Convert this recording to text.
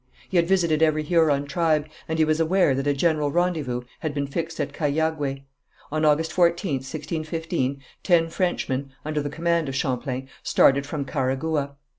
He had visited every Huron tribe, and he was aware that a general rendezvous had been fixed at Cahiagué. On August 14th, 1615, ten Frenchmen, under the command of Champlain, started from Carhagouha.